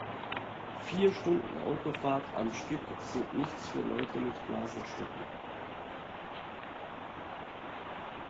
Vier Stunden Autofahrt am Stück sind nichts für Leute mit Blasenschwäche.